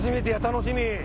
楽しみ！